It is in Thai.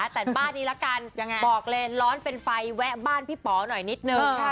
แต่บ้านนี้ละกันบอกเลยร้อนเป็นไฟแวะบ้านพี่ป๋อหน่อยนิดนึง